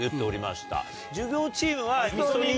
「授業チーム」は。